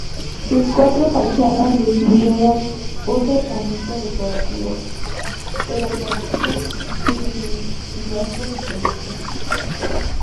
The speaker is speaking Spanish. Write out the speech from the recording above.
Sus cuatro fachadas recibieron un tratamiento decorativo, pero carente de pilastras o columnas.